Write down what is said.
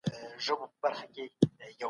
كنه دا به دود سي دې ښار كي